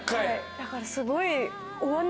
だからすごい。